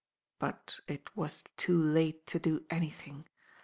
But it was too late to do anything.